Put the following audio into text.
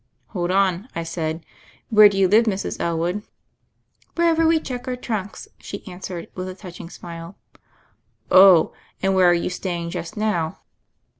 "Hold on," I said. "Where do you live, Mrs. Elwood?" "Wherever we check our trunks," she an swered with a touching smile. "Oh I And where are you staying just now